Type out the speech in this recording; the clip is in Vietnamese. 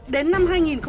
đến năm hai nghìn một mươi